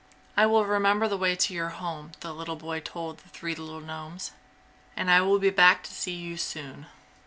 "I will remember the way to your home," the boy told the three little gnomes, "and I will be back to see you soon!"